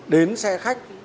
đến xe khách